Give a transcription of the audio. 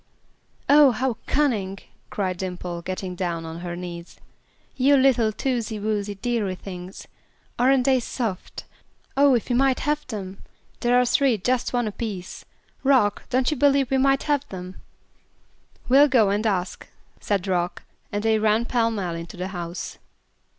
"Oh! how cunning," cried Dimple, getting down on her knees. "You little tootsy wootsy, deary things. Aren't they soft? Oh! if we might have them. There are three, just one a piece. Rock, don't you believe we might have them?" "We'll go and ask," said Rock, and they ran pell mell into the house.